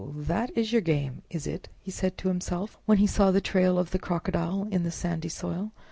That is your game, is it?" said he to himself, when he saw the trail of the Crocodile in the sandy soil.